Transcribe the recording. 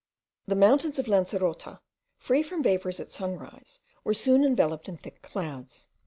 The mountains of Lancerota, free from vapours at sunrise, were soon enveloped in thick clouds.